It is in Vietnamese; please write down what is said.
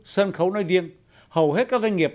sân khấu nói riêng hầu hết các doanh nghiệp